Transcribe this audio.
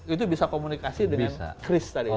itu bisa komunikasi dengan chris tadi